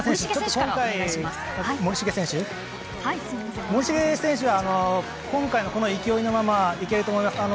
森重選手は今回の勢いのまま行けると思います。